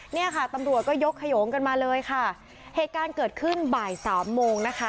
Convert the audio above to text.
เนี่ยค่ะตำรวจก็ยกขยงกันมาเลยค่ะเหตุการณ์เกิดขึ้นบ่ายสามโมงนะคะ